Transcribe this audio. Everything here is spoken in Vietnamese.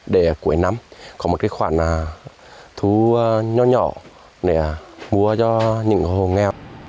để cuối năm có một khoản thu nhỏ nhỏ để mua cho những hồ nghèo